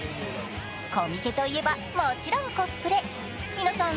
コミケといえば、もちろんコスプレ皆さん